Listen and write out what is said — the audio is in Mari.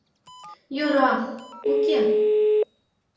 — Йӧра — уке.